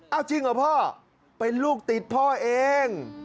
เอาจริงเหรอพ่อเป็นลูกติดพ่อเอง